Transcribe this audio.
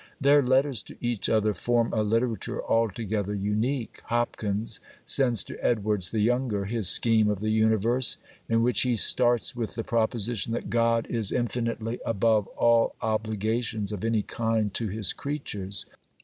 Their letters to each other form a literature altogether unique. Hopkins sends to Edwards the younger his scheme of the universe, in which he starts with the proposition that God is infinitely above all obligations of any kind to his creatures.